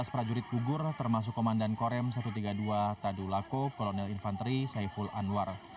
empat belas prajurit gugur termasuk komandan korem satu ratus tiga puluh dua tadulako kolonel infanteri saiful anwar